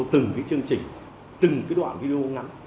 từng chương trình từng đoạn video ngắn